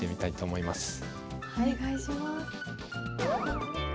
お願いします。